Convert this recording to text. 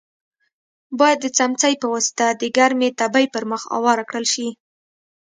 باید د څمڅۍ په واسطه د ګرمې تبۍ پر مخ اوار کړل شي.